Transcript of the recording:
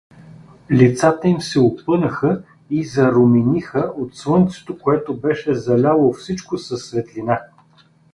Лицата им се опънаха и зарумениха от слънцето, което беше заляло всичко със светлина.